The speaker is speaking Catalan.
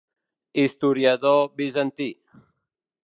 Historiador bizantí.